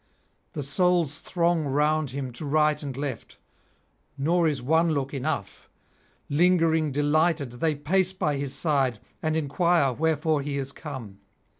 The souls throng round him to right and left; nor is one look enough; lingering delighted, they pace by his side and enquire wherefore he is come.